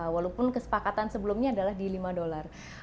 walaupun kesepakatan sebelumnya adalah di lima dolar